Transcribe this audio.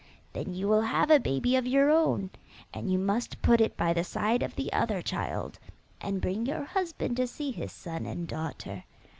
Then you will have a baby of your own, and you must put it by the side of the other child, and bring your husband to see his son and daughter.